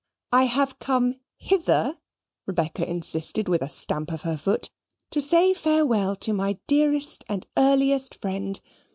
"I have come hither," Rebecca insisted, with a stamp of her foot, "to say farewell to my dearest and earliest friend.